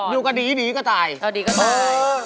อยู่กับดีดีก็ตายอ๋อดีก็ตาย